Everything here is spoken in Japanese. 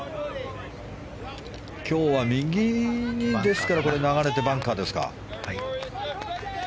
今日は右に流れてバンカーですか。